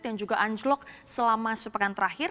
yang juga anjlok selama sepekan terakhir